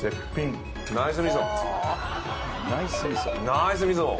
ナイスみそこれ。